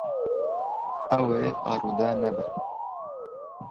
Ew ê arode nebe.